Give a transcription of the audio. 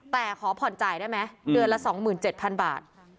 แต่ขอผ่อนจ่ายได้ไหมเดือนละสองหมื่นเจ็ดพันบาท